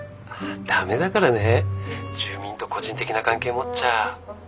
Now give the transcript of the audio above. ダメだからね住民と個人的な関係持っちゃ。